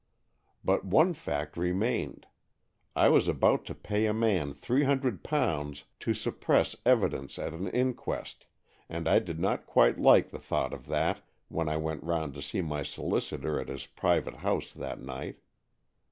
But one fact remained — I was about to pay a man three hundred pounds to suppress evidence at an inquest, and I did not quite like the thought of that when I went round to see my solicitor at his private house that night.